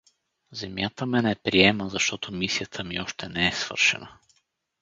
Земята ме не приема, защото мисията ми още не е свършена.